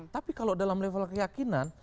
tapi kalau dalam level keyakinan